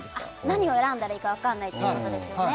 何を選んだらいいか分からないということですね